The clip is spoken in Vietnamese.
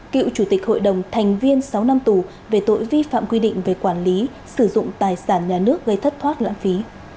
cựu chủ tịch hội đồng thành viên sáu năm tù về tội vi phạm quy định về quản lý sử dụng tài sản nhà nước gây thất thoát lãng phí